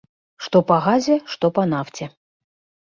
Што па газе, што па нафце.